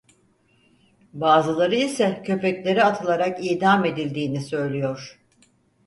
Bazıları ise köpeklere atılarak idam edildiğini söylüyor.